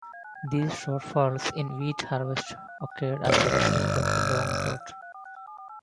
These shortfalls in wheat harvest occurred as a result of the long drought.